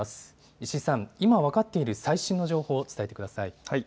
石井さん、今分かっている最新の情報を伝えてください。